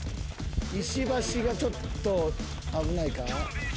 石橋がちょっと危ないか？